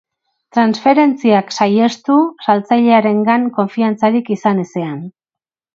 Transferentziak saihestu, saltzailearengan konfiantzarik izan ezean.